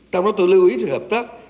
tại đó tôi lưu ý hợp tác